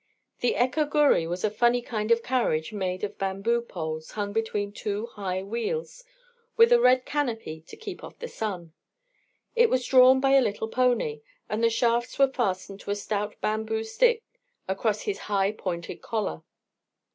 The "ekka ghurrie" is a funny kind of carriage made of bamboo poles hung between two high wheels, with a red canopy to keep off the sun. It was drawn by a little pony, and the shafts were fastened to a stout bamboo stick across his high pointed collar.